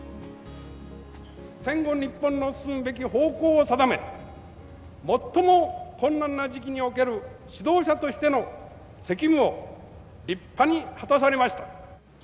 戦後日本の進むべき方向を定め、最も困難な時期における指導者としての責務を立派に果たされまし